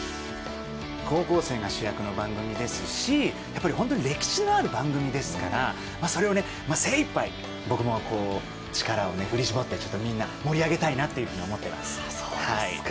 高校生が主役の番組ですし、やっぱり本当に歴史のある番組ですから、それをね、精いっぱい、僕も力をね、振り絞って、ちょっとみんなを盛り上げたいなというそうですか。